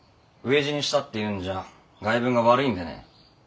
飢え死にしたっていうんじゃ外聞が悪いんでね。